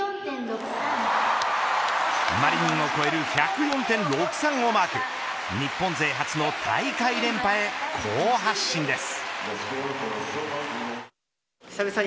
マリニンを超える１０４．６３をマーク日本勢初の大会連覇へ好発進です。